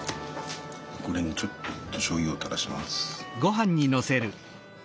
これにちょっとしょうゆをたらします。